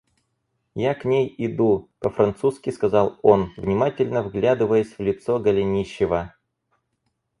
Я к ней иду, — по-французски сказал он, внимательно вглядываясь в лицо Голенищева.